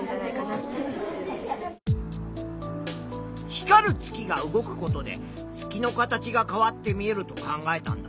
光る月が動くことで月の形が変わって見えると考えたんだな。